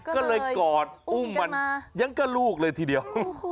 ก็เลยกอดอุ้มมันยังก็ลูกเลยทีเดียว